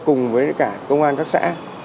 cùng với cả công an các xã